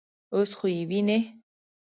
_اوس خو يې وينې.